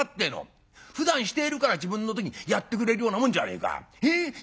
ふだんしているから自分の時にやってくれるようなもんじゃねえか。